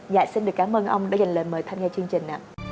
dạ xin được cảm ơn ông đã dành lời mời tham gia chương trình ạ